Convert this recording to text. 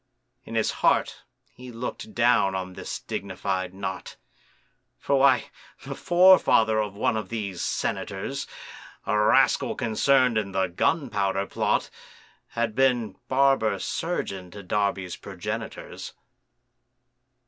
In his heart he looked down on this dignified knot,— For why, the forefather of one of these senators, A rascal concern'd in the Gunpowder Plot, Had been barber surgeon to Darby's progenitors.